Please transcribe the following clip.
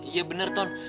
iya bener ton